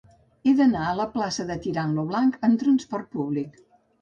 He d'anar a la plaça de Tirant lo Blanc amb trasport públic.